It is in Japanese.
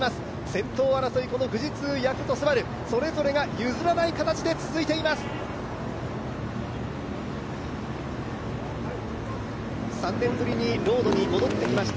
先頭争い、富士通、ヤクルト、ＳＵＢＡＲＵそれぞれが譲らない形で続いています。